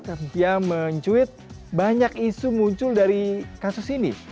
dan dia mencuit banyak isu muncul dari kasus ini